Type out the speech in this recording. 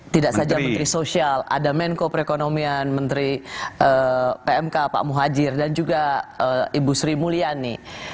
tidak saja menteri sosial ada menko perekonomian menteri pmk pak muhajir dan juga ibu sri mulyani